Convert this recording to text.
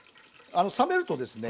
冷めるとですね